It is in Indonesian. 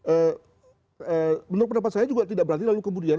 eee menurut pendapat saya juga tidak berarti lalu kemudian